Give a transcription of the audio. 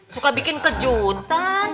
suka bikin kejutan